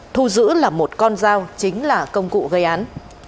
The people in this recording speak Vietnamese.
thu giữ là một con dao chính là công cụ gây án